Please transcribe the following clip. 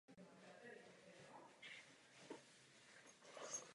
Do té doby bude trvat toto období stagnace.